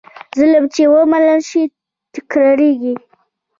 ظلم چې ومنل شي، تکرارېږي.